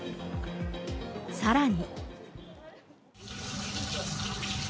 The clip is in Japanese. さらに。